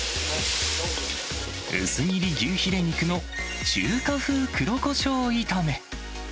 薄切り牛ヒレ肉の中華風黒こしょう炒め。